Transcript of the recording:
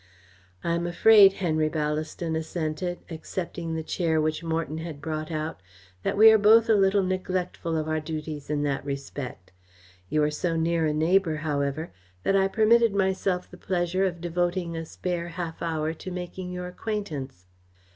"I am afraid," Henry Ballaston assented, accepting the chair which Morton had brought out, "that we are both a little neglectful of our duties in that respect. You are so near a neighbour, however, that I permitted myself the pleasure of devoting a spare half hour to making your acquaintance."